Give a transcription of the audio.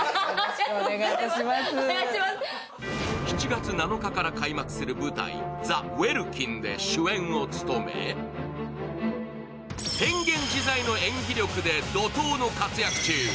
７月７日から開幕する舞台「ザ・ウェルキン」で主演を務め変幻自在の演技力で怒とうの活躍中。